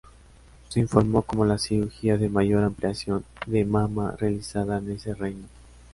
Se informó como la cirugía de mayor ampliación de mama realizada en ese reino.